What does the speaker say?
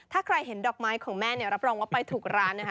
ถ้าใครเห็นดอกไม้ของแม่เนี่ยรับรองว่าไปถูกร้านนะคะ